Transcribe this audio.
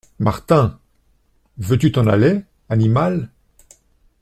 Martin.- Veux-tu t’en aller, animal !…